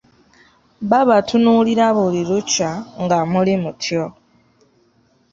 Babatunuulira buli lukya nga muli mutyo.